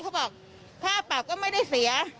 เขาบอกค่าปรับก็ไม่ได้เสีย